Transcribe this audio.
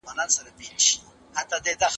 راتلونکی نسل باید ښه روزنه ولري.